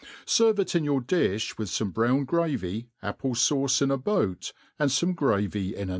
Serve it in your difli with fome brown gravyj^ apple fauce in a boatj^nd fome gravy in anoth^.